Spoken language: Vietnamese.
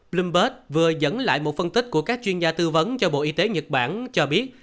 bloomberg vừa dẫn lại một phân tích của các chuyên gia tư vấn cho bộ y tế nhật bản cho biết